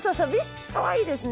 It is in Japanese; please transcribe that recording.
かわいいですね。